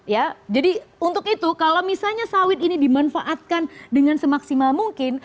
ya jadi untuk itu kalau misalnya sawit ini dimanfaatkan dengan semaksimal mungkin